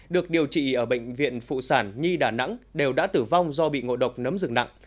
được điều trị ở bệnh viện phụ sản nhi đà nẵng đều đã tử vong do bị ngộ độc nấm rừng nặng